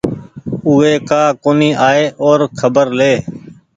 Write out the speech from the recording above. اوي ڪآ ڪونيٚ آئي اور خبر لي